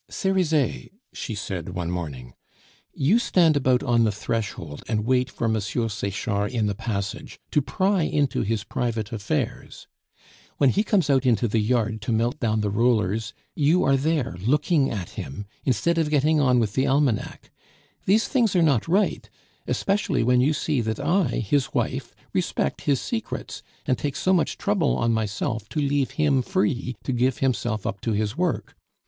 "Cerizet," she said one morning, "you stand about on the threshold, and wait for M. Sechard in the passage, to pry into his private affairs; when he comes out into the yard to melt down the rollers, you are there looking at him, instead of getting on with the almanac. These things are not right, especially when you see that I, his wife, respect his secrets, and take so much trouble on myself to leave him free to give himself up to his work.